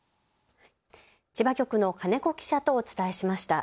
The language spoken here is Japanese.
千葉局の金子記者とお伝えしました。